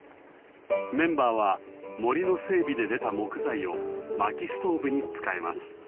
メンバーは森の整備で出た木材を薪ストーブに使えます。